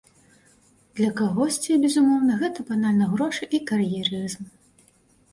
Для кагосьці, безумоўна, гэта банальна грошы і кар'ерызм.